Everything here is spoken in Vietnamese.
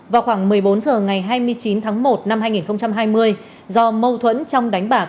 vào khoảng một mươi bốn h ngày hai mươi chín tháng một năm hai nghìn hai mươi do mâu thuẫn trong đánh bạc